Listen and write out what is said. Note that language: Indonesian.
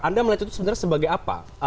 anda melihat itu sebenarnya sebagai apa